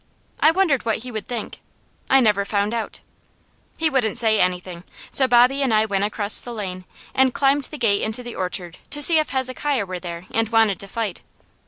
I wondered what he would think. I never found out. He wouldn't say anything, so Bobby and I went across the lane, and climbed the gate into the orchard to see if Hezekiah were there and wanted to fight.